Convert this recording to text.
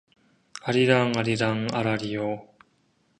아리랑 아리랑 아라리요